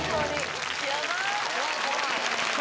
怖い、怖い。